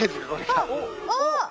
あっ！